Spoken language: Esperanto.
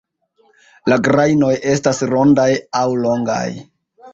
La grajnoj estas rondaj aŭ longaj.